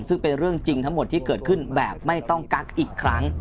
ซึ่งเป็นเรื่องจริงทั้งหมดที่เกิดขึ้นแบบไม่ต้องกักอีกครั้ง